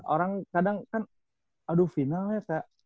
orang kadang kan aduh finalnya saya ngeliat